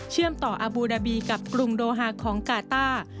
ต่ออบูดาบีกับกรุงโดฮาของกาต้า